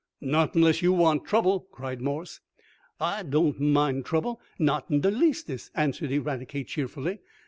"Not unless you want trouble!" cried Morse. "I doan't mind trouble, not in de leastest," answered Eradicate cheerfully.